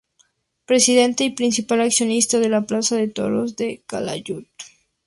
Presidente y principal accionista de la Plaza de Toros de Calatayud.